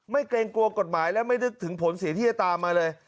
เกรงกลัวกฎหมายและไม่นึกถึงผลเสียที่จะตามมาเลย